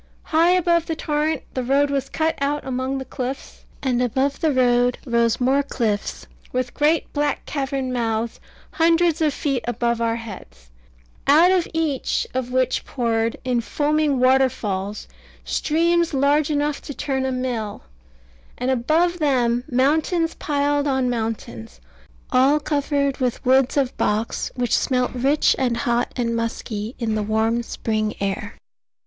High above the torrent the road was cut out among the cliffs, and above the road rose more cliffs, with great black cavern mouths, hundreds of feet above our heads, out of each of which poured in foaming waterfalls streams large enough to turn a mill, and above them mountains piled on mountains, all covered with woods of box, which smelt rich and hot and musky in the warm spring air.